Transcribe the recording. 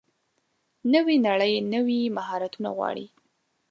نوې نړۍ نوي مهارتونه غواړي.